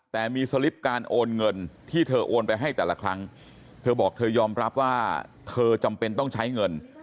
แต่มีสลิปการโอนเงินที่เธอโอนไปให้แต่ละครั้งเธอบอกเธอยอมรับว่าเธอจำเป็นต้องใช้เงิน